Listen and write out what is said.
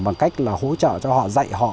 bằng cách là hỗ trợ cho họ dạy họ